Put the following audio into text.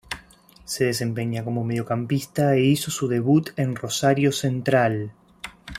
Se desempeña como mediocampista e hizo su debut en Rosario Central.